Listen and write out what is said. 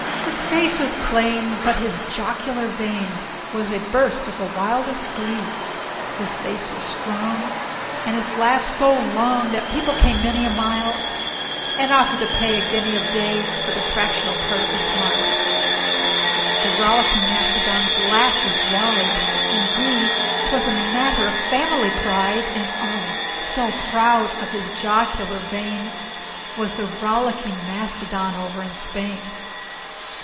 His face was plain, but his jocular vein Was a burst of the wildest glee. His voice was strong and his laugh so long That people came many a mile, And offered to pay a guinea a day For the fractional part of a smile. The Rollicking Mastodon's laugh was wide Indeed, 't was a matter of family pride; And oh! so proud of his jocular vein Was the Rollicking Mastodon over in Spain.